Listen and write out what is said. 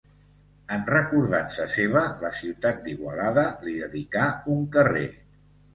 En recordança seva, la ciutat d'Igualada li dedicà un carrer.